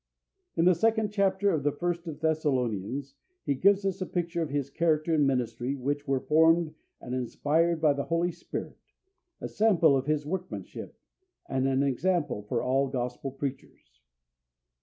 In the second chapter of the First of Thessalonians he gives us a picture of his character and ministry which were formed and inspired by the Holy Spirit, a sample of His workmanship, and an example for all Gospel preachers.